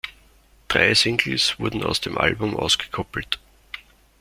Drei Singles wurden aus dem Album ausgekoppelt.